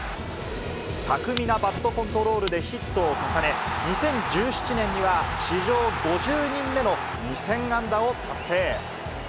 巧みなバットコントロールでヒットを重ね、２０１７年には史上５０人目の２０００安打を達成。